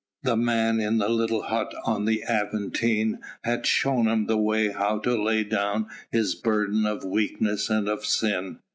The man in the little hut on the Aventine had shown him the way how to lay down his burden of weakness and of sin.